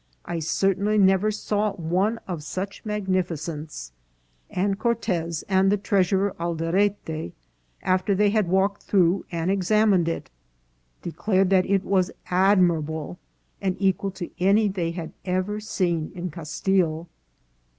I certainly never had seen one of such mag nificence ; and Cortez and the treasurer Alderete, after they had walked through and examined it, declared that TOWERS, COURTS, ETC. 45] it was admirable, and equal to any they had ever seen in Castille."